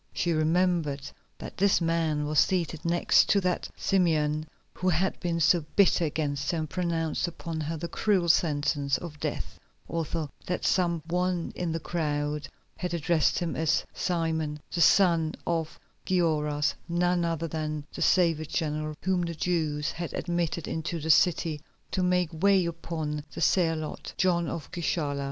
She remembered that this man was seated next to that Simeon who had been so bitter against her and pronounced upon her the cruel sentence of death, also that some one in the crowd had addressed him as Simon, the son of Gioras, none other than the savage general whom the Jews had admitted into the city to make way upon the Zealot, John of Gischala.